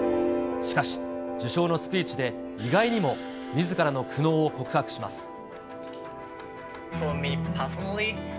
しかし、受賞のスピーチで意外にもみずからの苦悩を告白します。